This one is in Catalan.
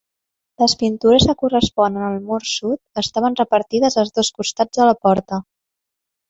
Les pintures que corresponen al mur sud estaven repartides als dos costats de la porta.